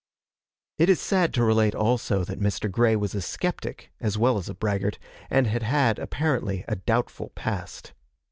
It is sad to relate also that Mr. Grey was a skeptic as well as a braggart, and had had, apparently, a doubtful past.